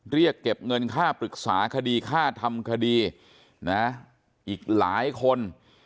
เรียกเก็บเงินค่าปรึกษาคดีค่าทำคดีนะอีกหลายคน